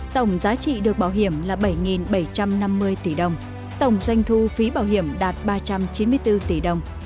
tổng giá trị được bảo hiểm là bảy bảy trăm năm mươi tỷ đồng tổng doanh thu phí bảo hiểm đạt ba trăm chín mươi bốn tỷ đồng